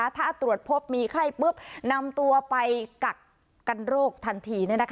ถ้าตรวจพบมีไข้ปุ๊บนำตัวไปกักกันโรคทันที